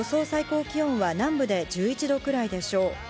最高気温は南部で１１度くらいでしょう。